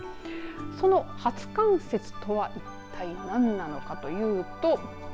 その初冠雪とは一体何なのかというと。